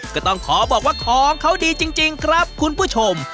ก็ต้องขอบอกว่าของเขาดีจริงครับคุณผู้ชม